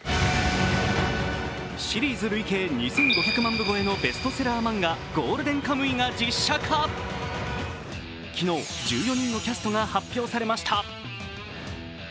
シリーズ累計２５００万部超えのベストセラー漫画「ゴールデンカムイ」が実写化昨日、１４人のキャストが発表されました。